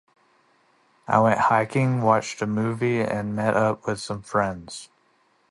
I went hiking, watched a movie, and met up with some friends.